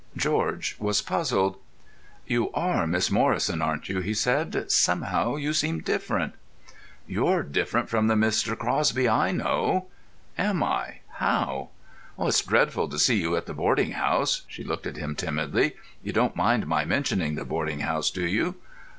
George was puzzled. "You are Miss Morrison, aren't you?" he said. "Somehow you seem different." "You're different from the Mr. Crosby I know." "Am I? How?" "It's dreadful to see you at the boarding house." She looked at him timidly. "You don't mind my mentioning the boarding house, do you?"